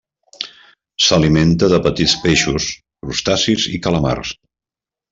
S'alimenta de petits peixos, crustacis i calamars.